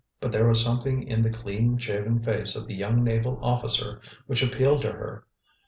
But there was something in the clean shaven face of the young naval officer which appealed to her.